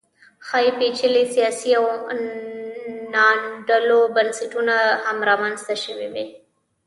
ښايي پېچلي سیاسي او ناانډوله بنسټونه هم رامنځته شوي وي